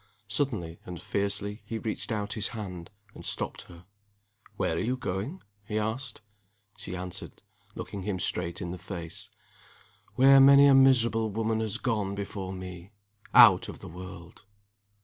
Suddenly and fiercely he reached out his hand, and stopped her. "Where are you going?" he asked. She answered, looking him straight in the face, "Where many a miserable woman has gone before me. Out of the world."